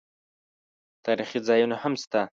تاریخي ځایونه هم شته.